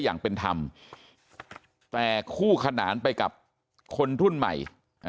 อย่างเป็นธรรมแต่คู่ขนานไปกับคนรุ่นใหม่